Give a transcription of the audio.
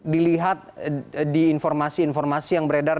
dilihat di informasi informasi yang beredar